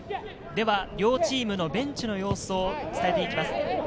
両チームのベンチの様子を伝えていきます。